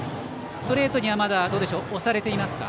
ストレートには押されていますか？